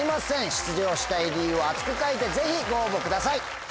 出場したい理由を熱く書いてぜひご応募ください。